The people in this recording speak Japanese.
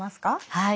はい。